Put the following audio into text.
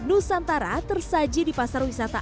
nusantara tersaji di pasar wisata